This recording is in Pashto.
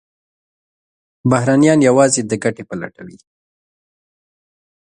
بهرنیان یوازې د ګټې په لټه وي.